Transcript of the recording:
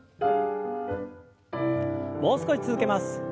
もう少し続けます。